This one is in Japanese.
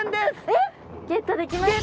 えっゲットできましたね。